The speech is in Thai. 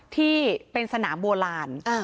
ที่เป็นสนามโบราณ